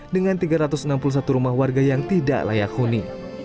dengan tiga ratus enam puluh satu rumah warga yang tidak layak huni